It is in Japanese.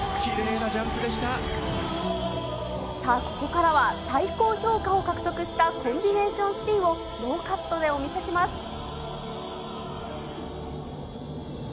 ここからは、最高評価を獲得したコンビネーションスピンをノーカットでお見せします。